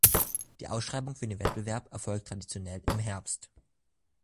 Die Ausschreibung für den Wettbewerb erfolgt traditionell im Herbst.